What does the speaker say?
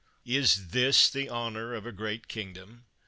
Is this the honor of a great kingdom